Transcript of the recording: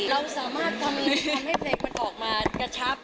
เราสามารถทำให้เพลงมันออกมากระชับ